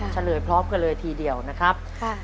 เฉลยพร้อมกันเลยทีเดียวนะครับ